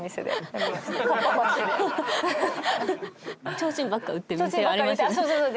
ちょうちんばっか売ってる店ありますよね。